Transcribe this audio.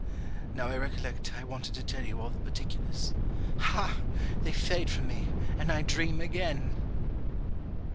Now I recollect I wanted to tell you all the particulars. Ha! they fade from me, and I dream again!